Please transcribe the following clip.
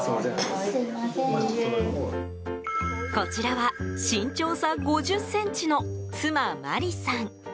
こちらは身長差５０ｃｍの妻・磨利さん。